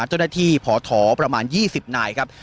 เจ้าหน้าที่พอถอประมาณ๒๐นายครับ